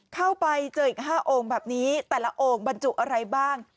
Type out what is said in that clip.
เข้าไปเจออีก๕โอ่งแบบนี้แต่ละโอ่งบรรจุอะไรบ้าง